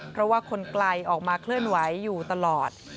เพราะว่าคนไกลออกมาเคลื่อนไหวอยู่ตลอด